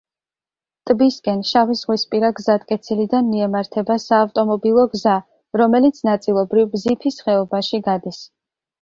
ტბისკენ შავიზღვისპირა გზატკეცილიდან მიემართება საავტომობილო გზა, რომელიც ნაწილობრივ ბზიფის ხეობაში გადის.